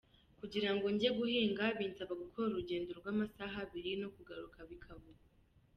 "Kugira ngo njye guhinga binsaba gukora urugendo rw'amasaha abiri, no kugaruka bikaba uko.